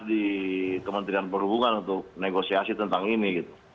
di kementerian perhubungan untuk negosiasi tentang ini gitu